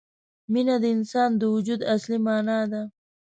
مینه د انسان د وجود اصلي معنا ده.